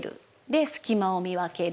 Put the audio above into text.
隙間を見分ける。